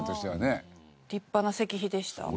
立派な石碑でした。